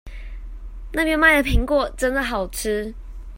那邊賣的蘋果真的好吃